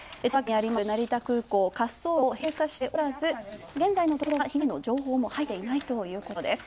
成田空港、滑走路を閉鎖しておらず、現在のところは被害の情報も入っていないということです。